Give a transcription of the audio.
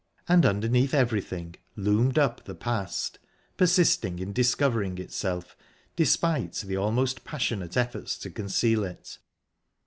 And underneath everything loomed up the past, persisting in discovering itself, despite the almost passionate efforts to conceal it...